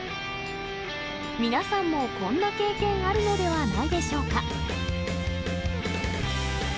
皆さんもこんな経験あるのではないでしょうか。